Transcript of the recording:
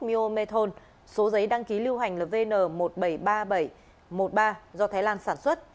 myomethon số giấy đăng ký lưu hành là vn một trăm bảy mươi ba nghìn bảy trăm một mươi ba do thái lan sản xuất